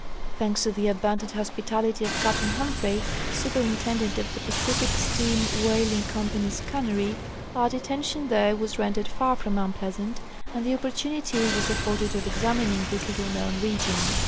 Thanks to the abundant hospitality of Captain Humphrey, superintendent of the Pacific Steam Whal ing company's cannery, our detention there was rendered far from unpleasant, and the opportunity was afforded of exainining this little known region.